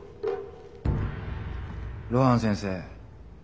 露伴先生